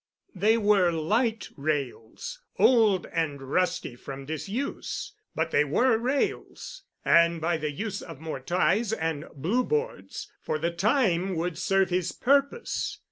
They were light rails, old and rusty from disuse, but they were rails, and by the use of more ties and "blue boards" for the time would serve his purpose.